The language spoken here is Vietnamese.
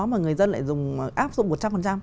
mà người dân lại áp dụng một trăm linh